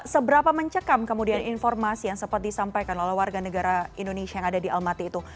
seberapa mencekam kemudian informasi yang sempat disampaikan oleh warga negara indonesia yang ada di almaty itu